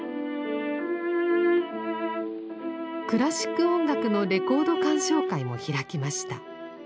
クラシック音楽のレコード鑑賞会も開きました。